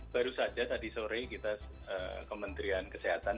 baru saja tadi sore kita kementerian kesehatan